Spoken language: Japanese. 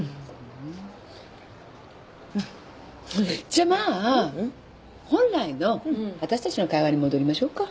じゃあまあ本来の私たちの会話に戻りましょうか。